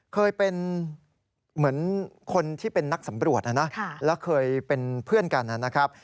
เคยเป็นเหมือนคนที่เป็นนักสำรวจนะนะแล้วเคยเป็นเพื่อนกันนะครับ